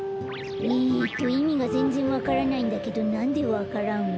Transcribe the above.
えっといみがぜんぜんわからないんだけどなんでわか蘭を？